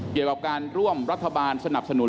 เกี่ยวกับการร่วมรัฐบาลสนับสนุน